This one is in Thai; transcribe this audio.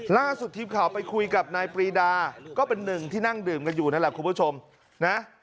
ล่าสุดทีมข่าวไปคุยกับนายปรีดาก็เป็นหนึ่งที่นั่งดื่มกันอยู่นั่นแหละคุณผู้ชมนะ